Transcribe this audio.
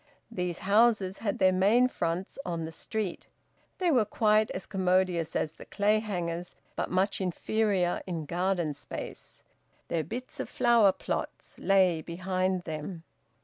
These houses had their main fronts on the street; they were quite as commodious as the Clayhangers', but much inferior in garden space; their bits of flower plots lay behind them.